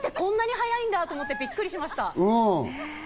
そう、雪ってこんなに速いんだと思って、びっくりしました。